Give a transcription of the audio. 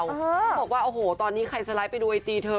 ต้องบอกว่าอ้าวโหวตอนนี้ใครสไลด์ไปดูอาจีย์เธอ